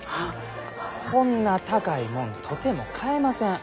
こんな高いもんとても買えません。